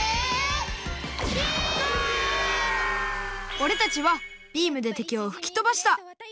おれたちはビームでてきをふきとばした。